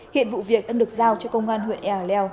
hiện vụ việc đang được giao cho công an huyện ea leo